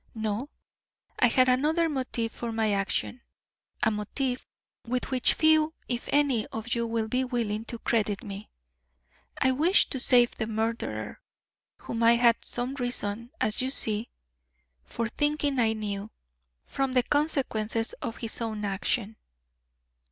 No, I had another motive for my action, a motive with which few, if any, of you will be willing to credit me. I wished to save the murderer, whom I had some reason, as you see, for thinking I knew, from the consequences of his own action."